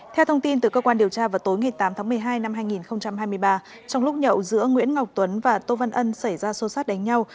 theo thông tin từ cơ quan điều tra vào tối ngày tám tháng một mươi hai năm hai nghìn hai mươi ba trong lúc nhậu giữa nguyễn ngọc tuấn và tô văn ân xảy ra xô xát đánh nhau